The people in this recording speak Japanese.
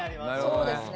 そうですね。